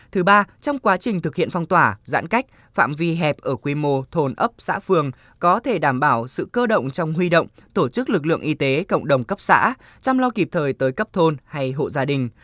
thứ ba trong quá trình thực hiện phong tỏa giãn cách phạm vi hẹp ở quy mô thôn ấp xã phường có thể đảm bảo sự cơ động trong huy động tổ chức lực lượng y tế cộng đồng cấp xã chăm lo kịp thời tới cấp thôn hay hộ gia đình